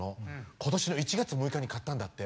今年の１月６日に買ったんだって。